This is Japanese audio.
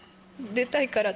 「出たいから」